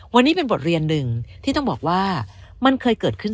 วันนี้เป็นบทเรียนหนึ่งที่ต้องบอกว่ามันเคยเกิดขึ้น